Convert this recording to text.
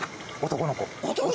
男の子！